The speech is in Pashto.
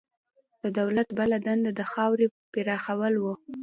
د دولت بله دنده د خاورې پراخول وو.